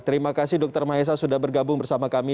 terima kasih dr mahesa sudah bergabung bersama kami